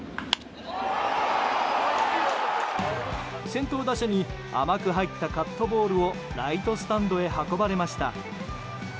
先頭打者に甘く入ったカットボールをライトスタンドへ運ばれました。